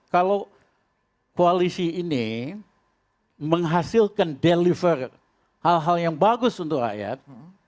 kalau koalisi ini menghasilkan deliver hal hal yang bagus untuk rakyat